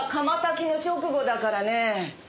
窯焚きの直後だからね。